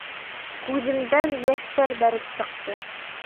Күҙемдән йәштәр бәреп сыҡты.